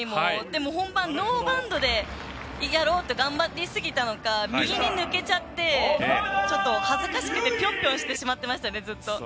でも、本番、ノーバウンドで頑張りすぎたのか右に抜けちゃってちょっと恥ずかしくてぴょんぴょんしちゃってましたね。